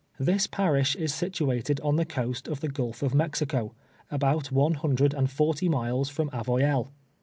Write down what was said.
This parish is situated on the coast of the Gulf of Mexico, about one hundred and forty miles from Avoyelles.